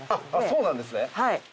そうなんですね。